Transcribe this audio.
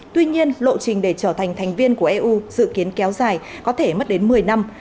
tuy nhiên lộ trình để trở thành thành viên của eu dự kiến kéo dài có thể mất đến một mươi năm